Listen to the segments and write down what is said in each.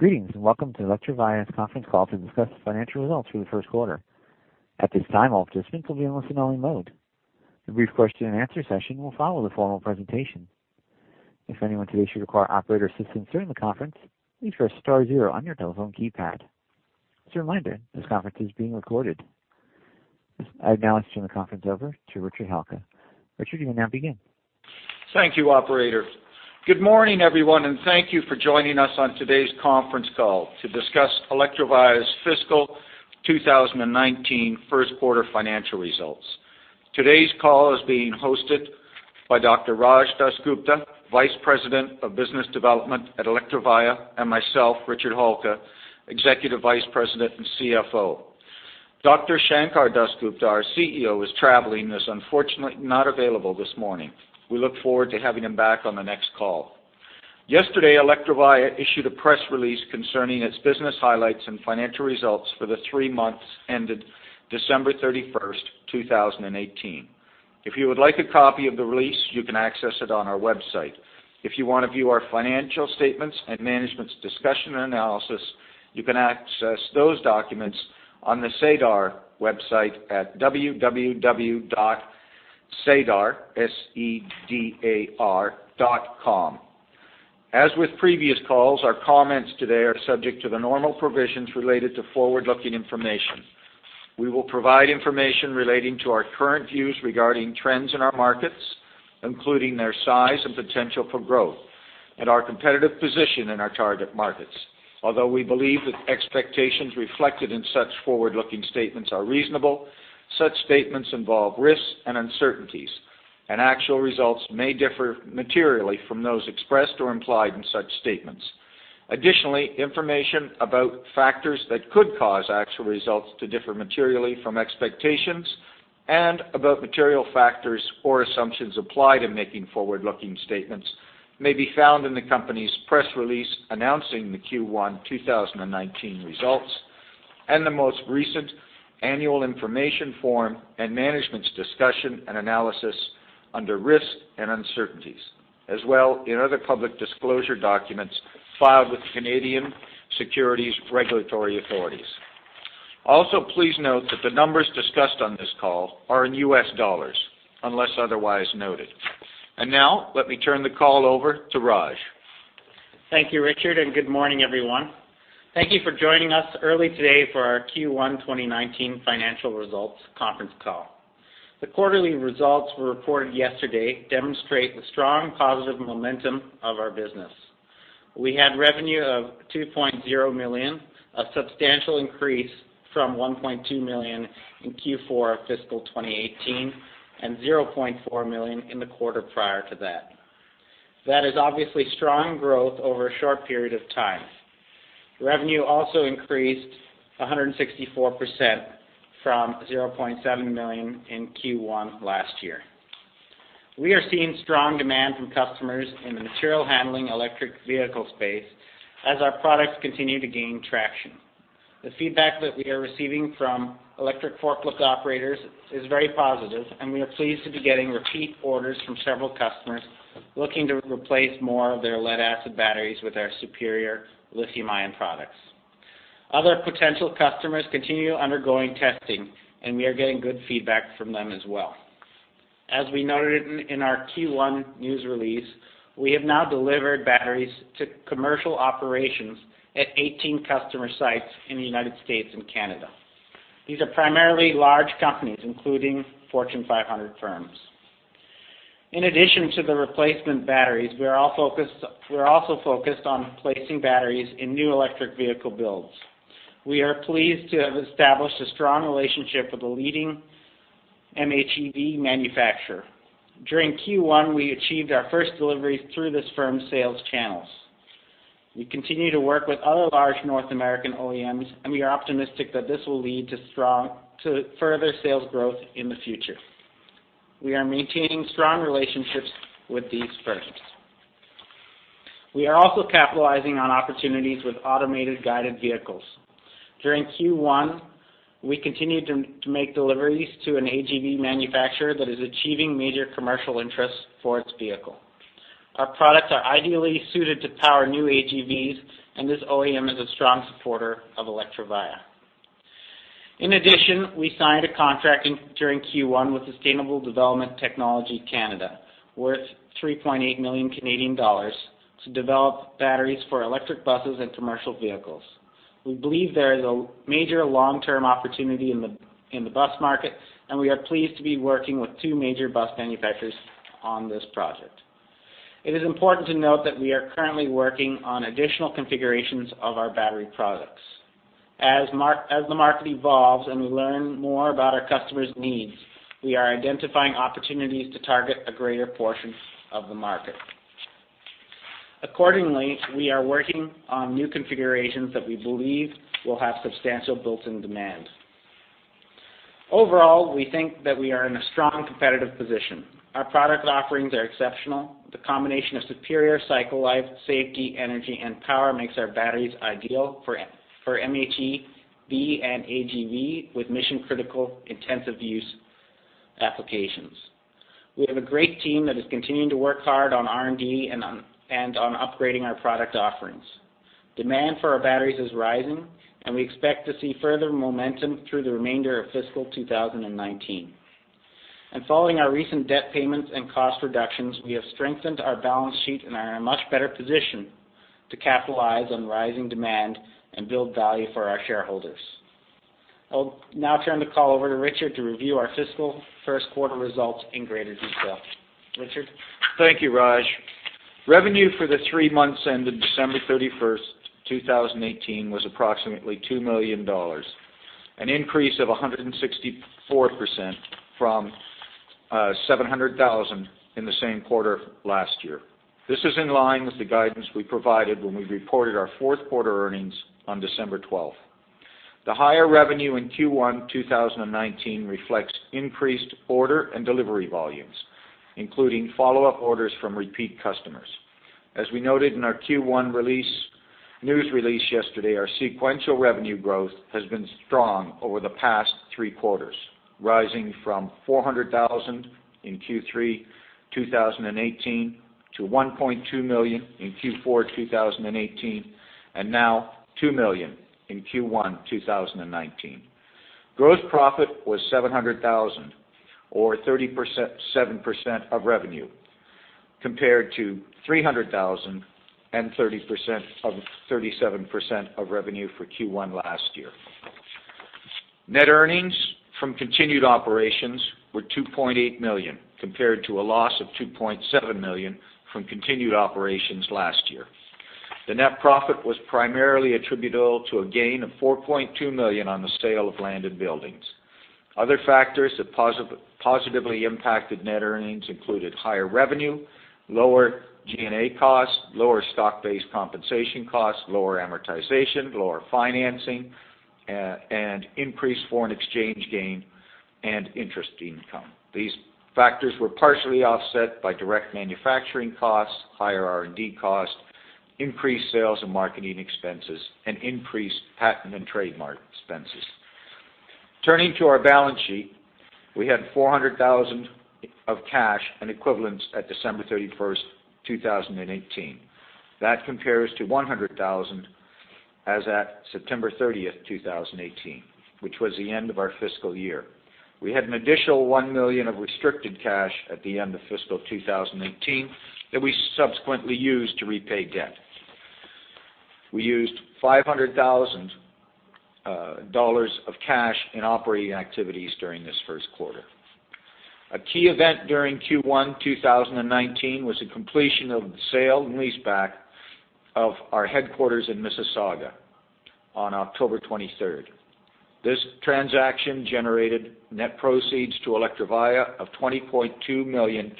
Greetings, and welcome to the Electrovaya's conference call to discuss financial results for the first quarter. At this time, all participants will be in listen-only mode. A brief question-and-answer session will follow the formal presentation. If anyone today should require operator assistance during the conference, please press star zero on your telephone keypad. As a reminder, this conference is being recorded. I now turn the conference over to Richard Halka. Richard, you may now begin. Thank you, operator. Good morning, everyone, and thank you for joining us on today's conference call to discuss Electrovaya's fiscal 2019 first quarter financial results. Today's call is being hosted by Dr. Raj Dasgupta, Vice President of Business Development at Electrovaya, and myself, Richard Halka, Executive Vice President and CFO. Dr. Shankar Das gupta, our CEO, is traveling and is unfortunately not available this morning. We look forward to having him back on the next call. Yesterday, Electrovaya issued a press release concerning its business highlights and financial results for the three months ended December 31st, 2018. If you would like a copy of the release, you can access it on our website. If you want to view our financial statements and management's discussion and analysis, you can access those documents on the SEDAR website at www.sedar, S-E-D-A-R, .com. As with previous calls, our comments today are subject to the normal provisions related to forward-looking information. We will provide information relating to our current views regarding trends in our markets, including their size and potential for growth, and our competitive position in our target markets. Although we believe that expectations reflected in such forward-looking statements are reasonable, such statements involve risks and uncertainties, and actual results may differ materially from those expressed or implied in such statements. Additionally, information about factors that could cause actual results to differ materially from expectations and about material factors or assumptions applied in making forward-looking statements may be found in the company's press release announcing the Q1 2019 results, and the most recent annual information form and management's discussion and analysis under risks and uncertainties, as well in other public disclosure documents filed with the Canadian securities regulatory authorities. Also, please note that the numbers discussed on this call are in U.S. dollars, unless otherwise noted. Now, let me turn the call over to Raj. Thank you, Richard, and good morning, everyone. Thank you for joining us early today for our Q1 2019 financial results conference call. The quarterly results were reported yesterday, demonstrate the strong positive momentum of our business. We had revenue of $2.0 million, a substantial increase from $1.2 million in Q4 fiscal 2018, and $0.4 million in the quarter prior to that. That is obviously strong growth over a short period of time. Revenue also increased 164% from $0.7 million in Q1 last year. We are seeing strong demand from customers in the material handling electric vehicle space as our products continue to gain traction. The feedback that we are receiving from electric forklift operators is very positive, and we are pleased to be getting repeat orders from several customers looking to replace more of their lead-acid batteries with our superior lithium-ion products. Other potential customers continue undergoing testing. We are getting good feedback from them as well. As we noted in our Q1 news release, we have now delivered batteries to commercial operations at 18 customer sites in the U.S. and Canada. These are primarily large companies, including Fortune 500 firms. In addition to the replacement batteries, we are also focused on placing batteries in new electric vehicle builds. We are pleased to have established a strong relationship with a leading MHEV manufacturer. During Q1, we achieved our first delivery through this firm's sales channels. We continue to work with other large North American OEMs. We are optimistic that this will lead to further sales growth in the future. We are maintaining strong relationships with these firms. We are also capitalizing on opportunities with automated guided vehicles. During Q1, we continued to make deliveries to an AGV manufacturer that is achieving major commercial interest for its vehicle. Our products are ideally suited to power new AGVs. This OEM is a strong supporter of Electrovaya. In addition, we signed a contract during Q1 with Sustainable Development Technology Canada, worth 3.8 million Canadian dollars to develop batteries for electric buses and commercial vehicles. We believe there is a major long-term opportunity in the bus market. We are pleased to be working with two major bus manufacturers on this project. It is important to note that we are currently working on additional configurations of our battery products. As the market evolves and we learn more about our customers' needs, we are identifying opportunities to target a greater portion of the market. Accordingly, we are working on new configurations that we believe will have substantial built-in demand. Overall, we think that we are in a strong competitive position. Our product offerings are exceptional. The combination of superior cycle life, safety, energy, and power makes our batteries ideal for MHEV and AGV with mission-critical intensive use-applications. We have a great team that is continuing to work hard on R&D and on upgrading our product offerings. Demand for our batteries is rising. We expect to see further momentum through the remainder of fiscal 2019. Following our recent debt payments and cost reductions, we have strengthened our balance sheet and are in a much better position to capitalize on rising demand and build value for our shareholders. I'll now turn the call over to Richard to review our fiscal first quarter results in greater detail. Richard? Thank you, Raj. Revenue for the three months ending December 31st, 2018, was approximately $2 million, an increase of 164% from $700,000 in the same quarter last year. This is in line with the guidance we provided when we reported our fourth quarter earnings on December 12th. The higher revenue in Q1 2019 reflects increased order and delivery volumes, including follow-up orders from repeat customers. As we noted in our Q1 news release yesterday, our sequential revenue growth has been strong over the past three quarters, rising from $400,000 in Q3 2018 to $1.2 million in Q4 2018, and now $2 million in Q1 2019. Gross profit was $700,000, or 37% of revenue, compared to $300,000 and 37% of revenue for Q1 last year. Net earnings from continued operations were $2.8 million, compared to a loss of $2.7 million from continued operations last year. The net profit was primarily attributable to a gain of $4.2 million on the sale of landed buildings. Other factors that positively impacted net earnings included higher revenue, lower G&A costs, lower stock-based compensation costs, lower amortization, lower financing, and increased foreign exchange gain and interest income. These factors were partially offset by direct manufacturing costs, higher R&D costs, increased sales and marketing expenses, and increased patent and trademark expenses. Turning to our balance sheet, we had $400,000 of cash and equivalents at December 31st, 2018. That compares to $100,000 as at September 30th, 2018, which was the end of our fiscal year. We had an additional $1 million of restricted cash at the end of fiscal 2018 that we subsequently used to repay debt. We used $500,000 of cash in operating activities during this first quarter. A key event during Q1 2019 was the completion of the sale and leaseback of our headquarters in Mississauga on October 23rd. This transaction generated net proceeds to Electrovaya of 20.2 million.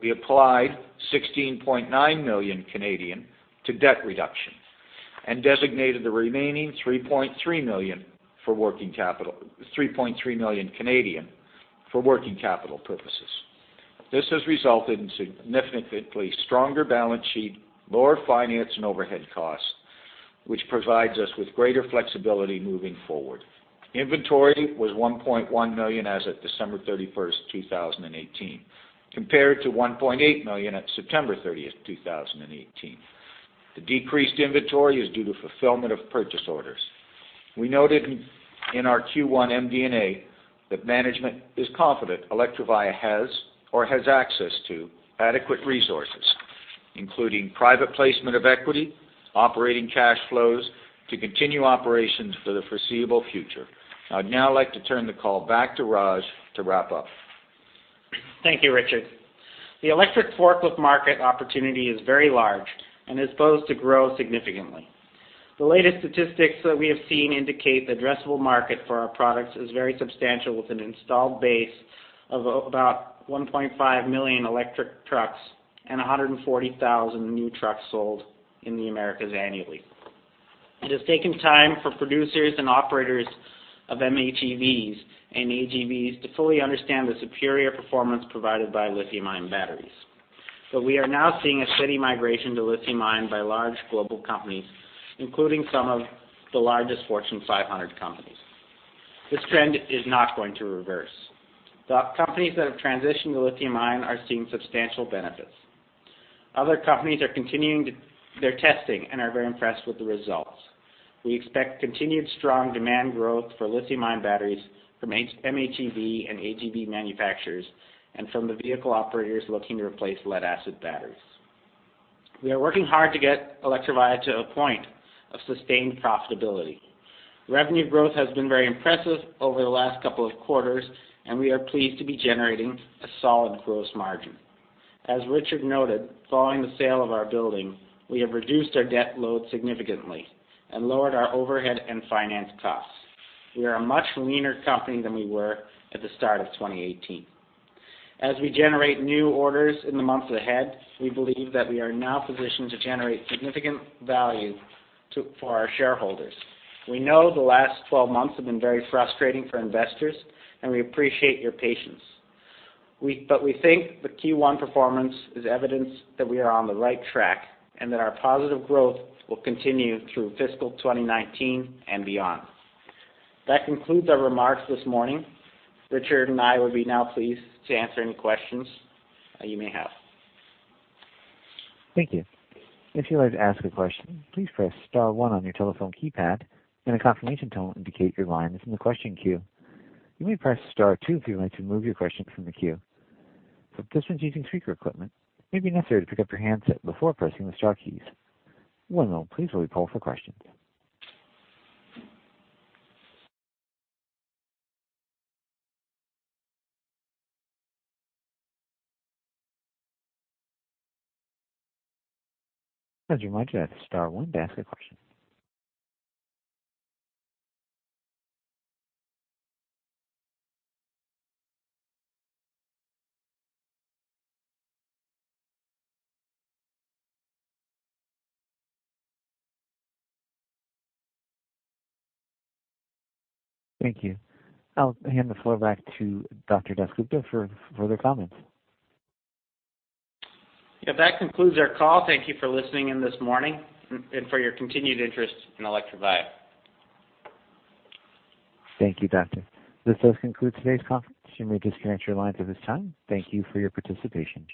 We applied 16.9 million to debt reduction and designated the remaining 3.3 million for working capital purposes. This has resulted in significantly stronger balance sheet, lower finance and overhead costs, which provides us with greater flexibility moving forward. Inventory was $1.1 million as of December 31st, 2018, compared to $1.8 million at September 30th, 2018. The decreased inventory is due to fulfillment of purchase orders. We noted in our Q1 MD&A that management is confident Electrovaya has or has access to adequate resources, including private placement of equity, operating cash flows to continue operations for the foreseeable future. I'd now like to turn the call back to Raj to wrap up. Thank you, Richard. The electric forklift market opportunity is very large and is posed to grow significantly. The latest statistics that we have seen indicate the addressable market for our products is very substantial, with an installed base of about 1.5 million electric trucks and 140,000 new trucks sold in the Americas annually. It has taken time for producers and operators of MHEVs and AGVs to fully understand the superior performance provided by lithium-ion batteries. We are now seeing a steady migration to lithium-ion by large global companies, including some of the largest Fortune 500 companies. This trend is not going to reverse. The companies that have transitioned to lithium-ion are seeing substantial benefits. Other companies are continuing their testing and are very impressed with the results. We expect continued strong demand growth for lithium-ion batteries from MHEV and AGV manufacturers and from the vehicle operators looking to replace lead-acid batteries. We are working hard to get Electrovaya to a point of sustained profitability. Revenue growth has been very impressive over the last couple of quarters, and we are pleased to be generating a solid gross margin. As Richard noted, following the sale of our building, we have reduced our debt load significantly and lowered our overhead and finance costs. We are a much leaner company than we were at the start of 2018. As we generate new orders in the months ahead, we believe that we are now positioned to generate significant value for our shareholders. We know the last 12 months have been very frustrating for investors, and we appreciate your patience. We think the Q1 performance is evidence that we are on the right track, and that our positive growth will continue through fiscal 2019 and beyond. That concludes our remarks this morning. Richard and I would be now pleased to answer any questions you may have. Thank you. If you would like to ask a question, please press star one on your telephone keypad, and a confirmation tone will indicate your line is in the question queue. You may press star two if you would like to remove your question from the queue. For participants using speaker equipment, it may be necessary to pick up your handset before pressing the star keys. One moment please while we poll for questions. I would remind you that's star one to ask a question. Thank you. I'll hand the floor back to Dr. Dasgupta for further comments. Yeah, that concludes our call. Thank you for listening in this morning and for your continued interest in Electrovaya. Thank you, doctor. This does conclude today's conference. You may disconnect your lines at this time. Thank you for your participation.